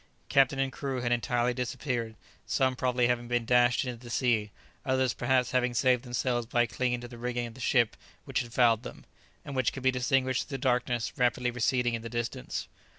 Captain and crew had entirely disappeared, some probably having been dashed into the sea, others perhaps having saved themselves by clinging to the rigging of the ship which had fouled them, and which could be distinguished through the darkness rapidly receding in the distance.